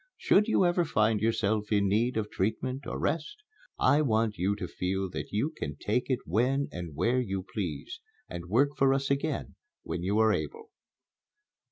Should you ever find yourself in need of treatment or rest, I want you to feel that you can take it when and where you please, and work for us again when you are able."